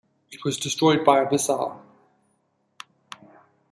It was destroyed by a missile.